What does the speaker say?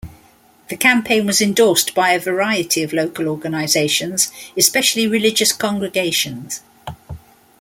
The campaign was endorsed by a variety of local organizations, especially religious congregations.